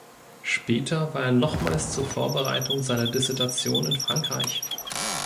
Später war er nochmals zur Vorbereitung seiner Dissertation in Frankreich.